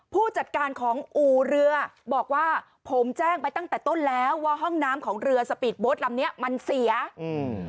ผู้จัดการของอู่เรือบอกว่าผมแจ้งไปตั้งแต่ต้นแล้วว่าห้องน้ำของเรือสปีดโบ๊ทลำเนี้ยมันเสียอืม